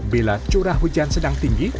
bila curah hujan sedang tinggi